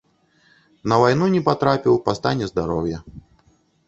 На вайну не патрапіў па стане здароўя.